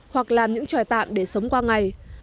hoặc làm những tròi tạm để sống qua ngày